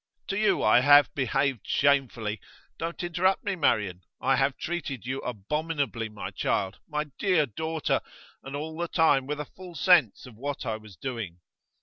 To you I have behaved shamefully. Don't interrupt me, Marian. I have treated you abominably, my child, my dear daughter and all the time with a full sense of what I was doing.